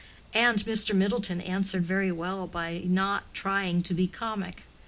And Mr. Middleton answered very well by not trying to be comic.